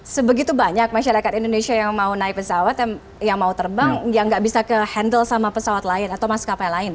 sebegitu banyak masyarakat indonesia yang mau naik pesawat yang mau terbang yang nggak bisa ke handle sama pesawat lain atau maskapai lain